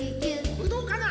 ぶどうかな？